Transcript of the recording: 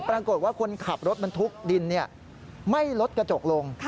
ปรากฏว่าคนขับรถบรรทุกดินไม่ลดกระจกลง